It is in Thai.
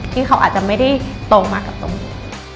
ที่เขาอาจจะไม่ได้ตรงมากับตรงนี้